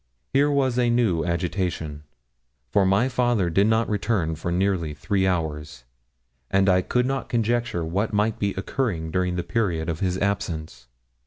Here was a new agitation; for my father did not return for nearly three hours, and I could not conjecture what might be occurring during the period of his absence.